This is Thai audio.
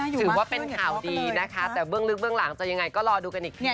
หมายถึงว่าเป็นข่าวดีนะคะแต่เบื้องลึกต่างจนก็รอดูกันอีกทีนะ